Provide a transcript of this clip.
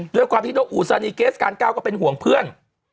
ด้วยความที่นกอุสานีเกสการเก้าก็เป็นห่วงเพื่อน